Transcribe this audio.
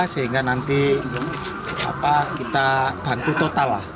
sehingga nanti kita bantu total lah